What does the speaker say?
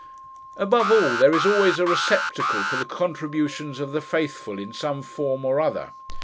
Above all, there is always a receptacle for the contributions of the Faithful, in some form or other.